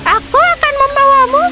aku akan membawamu